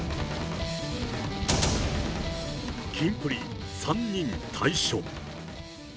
キンプリ、３人退所。